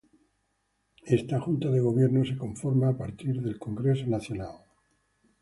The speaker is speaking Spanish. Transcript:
Esta Junta de Gobierno se conforma a partir del Congreso Nacional.